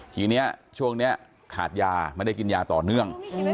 ทีนี้ช่วงนี้ขาดยาไม่ได้กินยาต่อเนื่อง